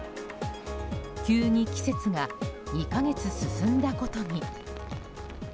急に季節が２か月進んだことに。